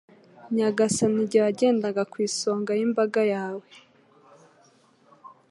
Nyagasani igihe wagendaga ku isonga y’imbaga yawe